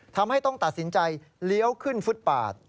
ทำให้ต้องตัดสินใจเลี้ยวขึ้นฟุตปาด